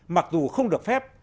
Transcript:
mặc dù không được phép